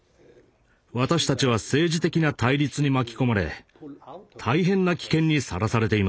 「私たちは政治的な対立に巻き込まれ大変な危険にさらされています。